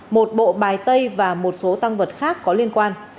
một bộ bài tay và một số tăng vật khác có liên quan